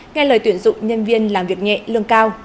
nghe lời tuyển dụng nhân viên làm việc nhẹ lương cao